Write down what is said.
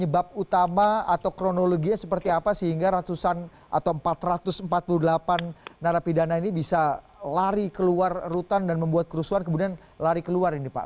penyebab utama atau kronologinya seperti apa sehingga ratusan atau empat ratus empat puluh delapan narapidana ini bisa lari keluar rutan dan membuat kerusuhan kemudian lari keluar ini pak